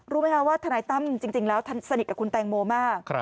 รู้ไหมคะว่าทนายตั้มจริงแล้วท่านสนิทกับคุณแตงโมมาก